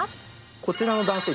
こちらの男性